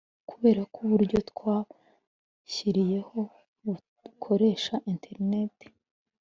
Kubera ko uburyo twabashyiriyeho bukoresha internet